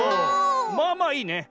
まあまあいいね。